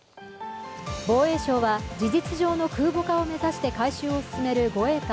防衛省は、事実上の空母化を目指して改修を進める護衛艦